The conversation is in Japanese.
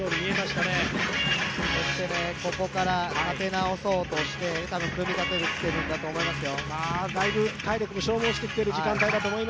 そこから立て直そうとして組み立てているんだと思いますよ。